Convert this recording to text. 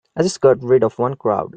I just got rid of one crowd.